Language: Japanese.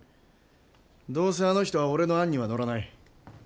どうせあの人は俺の案には乗らない。